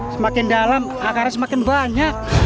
semakin dalam akarnya semakin banyak